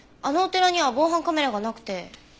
あのお寺には防犯カメラがなくて。